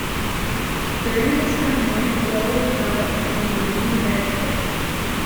During his time there, the role of Mallet became a leading character.